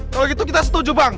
kalau gitu kita setuju bang